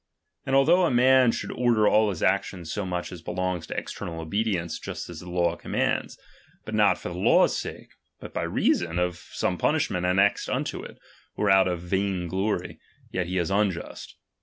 And although a man should order all his actions so much as belougs to external obedience just as the law commands, but not for the law's sake, but by reason of some punishment annexed unto it, or out of vain glory; yet he is unjust.